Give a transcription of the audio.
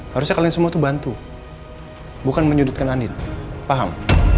harusnya kalian semua tuh bantu bukan menyudutkan andin paham